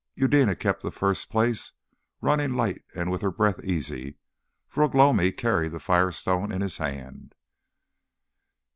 Eudena kept the first place, running light and with her breath easy, for Ugh lomi carried the Fire Stone in his hand.